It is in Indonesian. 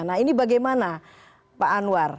nah ini bagaimana pak anwar